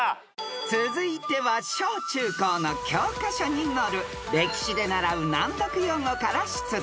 ［続いては小中高の教科書に載る歴史で習う難読用語から出題］